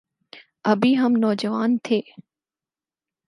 ابھی ہم نوجوان تھے۔